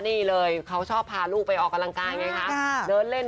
นี่เลยเขาชอบพาลูกไปออกกำลังกายไงค่ะเดินเล่น